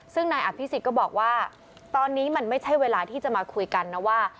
ซึ่งนายอภิษฎก็บอกว่าตอนนี้มันไม่ใช่เวลาที่จะมาคุยกันนะว่า